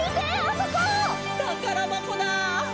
たからばこだ！